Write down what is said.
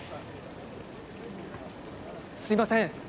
すみません